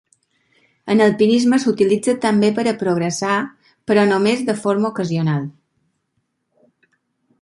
En alpinisme s'utilitza també per a progressar, però només de forma ocasional.